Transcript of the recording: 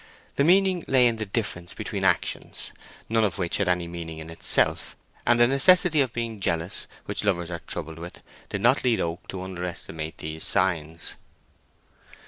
The meaning lay in the difference between actions, none of which had any meaning of itself; and the necessity of being jealous, which lovers are troubled with, did not lead Oak to underestimate these signs.